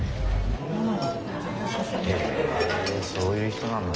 へえそういう人なんだ。